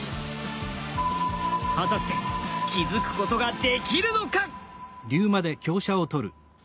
果たして気づくことができるのか